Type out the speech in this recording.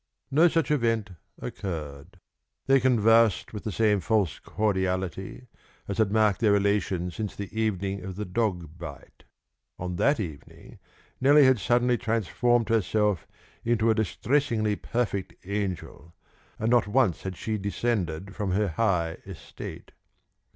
No such event occurred. They conversed with the same false cordiality as had marked their relations since the evening of the dog bite. On that evening Nellie had suddenly transformed herself into a distressingly perfect angel, and not once had she descended from her high estate.